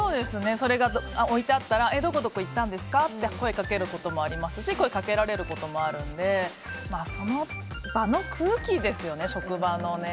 それが置いてあったらどこどこ行ったんですかと声をかけることもありますし声をかけられることもあるのでその場の空気ですよね、職場の。